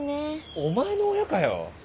お前の親かよ。